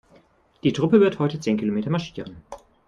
Die Truppe wird heute zehn Kilometer marschieren.